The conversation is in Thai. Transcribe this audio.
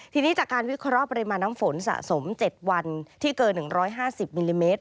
ทีนี้จากการวิเคราะห์ปริมาณน้ำฝนสะสม๗วันที่เกิน๑๕๐มิลลิเมตร